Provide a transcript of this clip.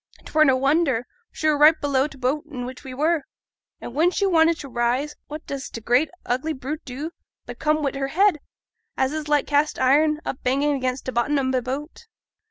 'Twere no wonder, for she were right below t' boat in which a were; and when she wanted to rise, what does t' great ugly brute do but come wi' her head, as is like cast iron, up bang again t' bottom o' t' boat.